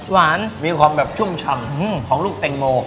หวานอย่างความชั่วมชำของลูกแตงโม